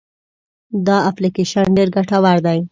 دا اپلیکیشن ډېر ګټور دی.